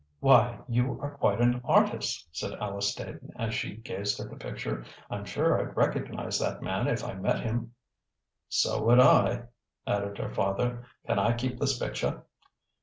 "Why, you are quite an artist!" said Alice Staton as she gazed at the picture. "I'm sure I'd recognize that man if I met him." "So would I," added her father. "Can I keep this picture?"